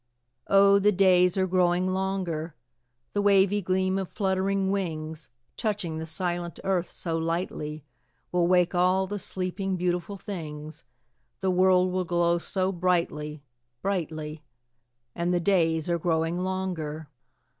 Oh, the days are growing longer, The wavy gleam of fluttering wings, Touching the silent earth so lightly, Will wake all the sleeping, beautiful things, The world will glow so brightly brightly; And the days are growing longer.